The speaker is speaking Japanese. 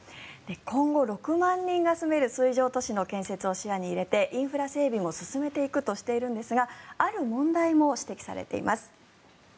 今後、６万人が住める水上都市の建設を視野に入れてインフラ整備も進めていくとしているんですがある問題も指摘されています。